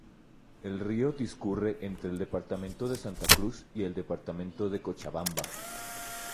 El río discurre entre el departamento de Santa Cruz y el departamento de Cochabamba.